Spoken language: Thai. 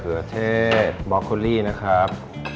เขือเทศบอโคลี่นะครับ